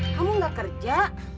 kamu gak kerja